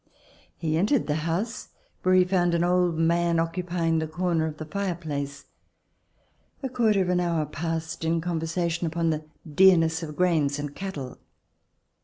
He entered the house where he found an old man occupying the corner of the fire place. A quarter of an hour passed in conversation upon the dearness of grains and cattle.